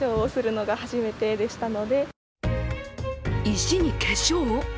石に化粧！？